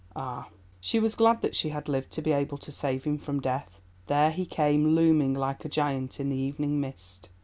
Ah! she was glad that she had lived to be able to save him from death. There he came, looming like a giant in the evening mist.